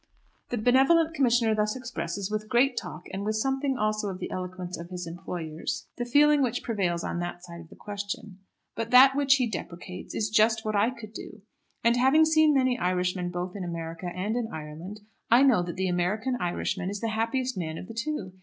The benevolent commissioner thus expresses with great talk and with something also of the eloquence of his employers the feeling which prevails on that side of the question. But that which he deprecates is just what I could do; and having seen many Irishmen both in America and in Ireland, I know that the American Irishman is the happiest man of the two.